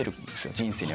人生に。